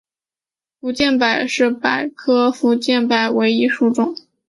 福建柏是柏科福建柏属唯一物种。